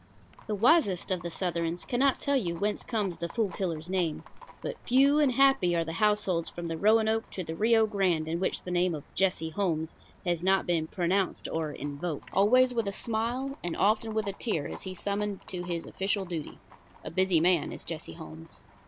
The wisest of the Southrons cannot tell you whence comes the Fool Killer's name; but few and happy are the households from the Roanoke to the Rio Grande in which the name of Jesse Holmes has not been pronounced or invoked. Always with a smile, and often with a tear, is he summoned to his official duty. A busy man is Jesse Holmes.